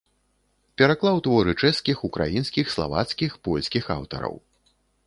Пераклаў творы чэшскіх, украінскіх, славацкіх, польскіх аўтараў.